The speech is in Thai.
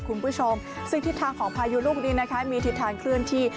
คุณผู้ชมซึ่งทิศทางของพายุลูกนี้นะคะมีทิศทางเคลื่อนที่